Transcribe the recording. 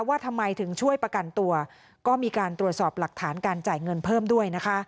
ว่าทำไมถึงช่วยประกันตัวก็มีการตรวจสอบหลักฐานการจ่ายเงินเพิ่มด้วยนะคะ